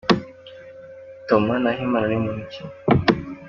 Thomas Nahimana ni muntu ki ?